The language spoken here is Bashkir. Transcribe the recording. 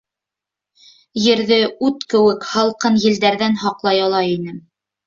Ерҙе ут кеүек һалҡын елдәрҙән һаҡлай ала инем.